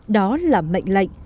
đó là mệnh lệnh